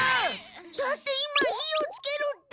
だって今火をつけろって。